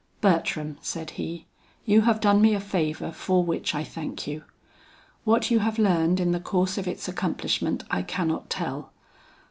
"Bertram," said he, "you have done me a favor for which I thank you. What you have learned in the course of its accomplishment I cannot tell.